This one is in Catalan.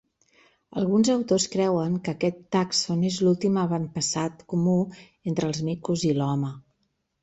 Alguns autors creuen que aquest tàxon és l'últim avantpassat comú entre els micos i l'home.